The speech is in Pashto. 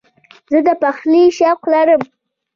زه د پخلي شوق لرم.